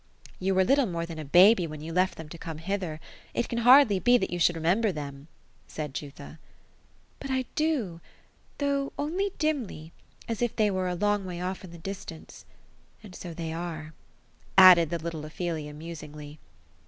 ^ You were little more than a baby, when yon left them to come hither. It can hardly be, that you should remember them ; said Jutha. " But I do ; though only dimfy — as if they were a long way off in the distance. And so they are ;" added the little Ophelia, musingly.